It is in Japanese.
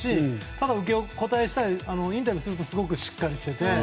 ただ受け答えしたりインタビューするとすごくしっかりしていて。